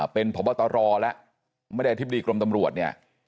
เป็นพบตรแล้วไม่ได้อธิบดีกรมตำรวจเนี่ย